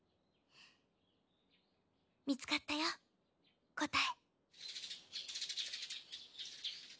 見つかったよ答え。